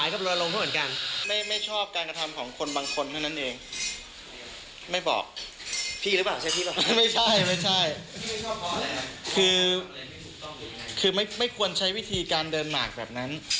คือไม่ควรใช้วิธีการเดินหมากแบบนั้น